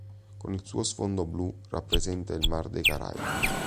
Con il suo sfondo blu, rappresenta il Mar dei Caraibi.